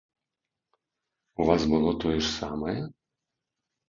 У вас было тое ж самае?